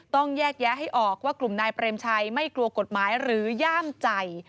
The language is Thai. ต้องแยกแยะให้ออกว่ากลุ่มนายเปรมชัยไม่กลัวกฎหมายหรือย่ามใจ